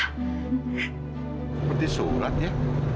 seperti surat ya